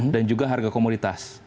dan juga harga komoditas